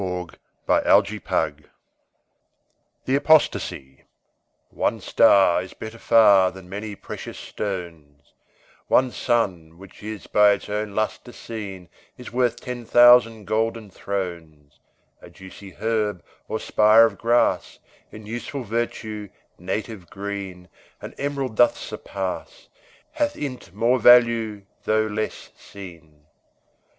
Thomas Traherne The Apostasy One star Is better far Than many precious stones; One sun, which is by its own luster seen, Is worth ten thousand golden thrones; A juicy herb, or spire of grass, In useful virtue, native green, An em'rald doth surpass, Hath in 't more value, though less seen.